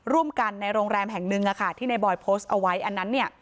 ร่วมกันในโรงแรมแห่งหนึ่งที่ในบอยโพสต์เอาไว้อันนั้นเนี่ย